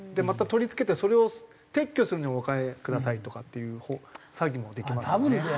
また取り付けてそれを撤去するのにお金くださいとかっていう詐欺もできますよね。